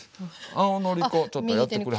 青のり粉ちょっとやってくれはります？